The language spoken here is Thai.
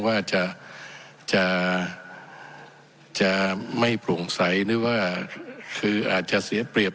ก็คำว่าจะจำไม่ปลูกใสหรือว่าคืออาจจะเสียเปรียบ